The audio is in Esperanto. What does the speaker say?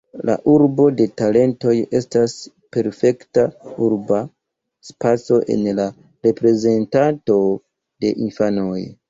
La urbo de talentoj estas perfekta urba spaco en la reprezentado de infanoj.